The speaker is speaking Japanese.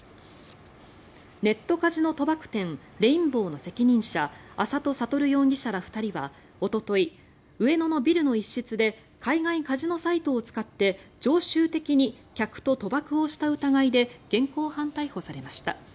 ネットカジノ賭博店レインボーの責任者安里悟容疑者ら２人はおととい、上野のビルの一室で海外カジノサイトを使って常習的に客と賭博をした疑いで現行犯逮捕されました。